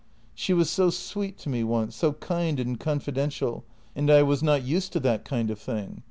... She was so sweet to me once, so kind and confidential, and I was not used to that kind of thing.